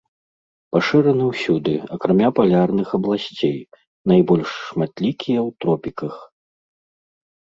Пашыраны ўсюды, акрамя палярных абласцей, найбольш шматлікія ў тропіках.